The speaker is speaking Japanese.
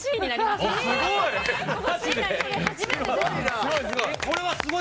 すごい！